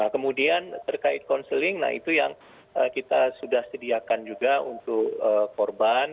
kemudian terkait konseling nah itu yang kita sudah sediakan juga untuk korban